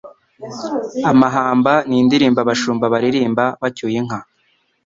Amahamba n 'indirimbo abashumba baririmba bacyuye inka.